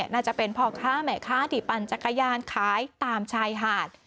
น่าจะเป็นพ่อค้าแม่ค้าที่ปั่นจักรยานขายตามชายหาด